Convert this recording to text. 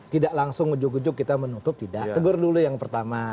tidak langsung ujuk ujug kita menutup tidak tegur dulu yang pertama